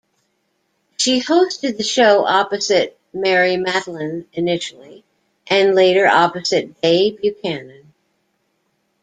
She hosted the show opposite Mary Matalin initially, and later opposite Bay Buchanan.